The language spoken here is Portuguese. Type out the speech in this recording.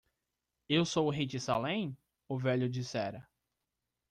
"Eu sou o rei de Salem?" o velho dissera.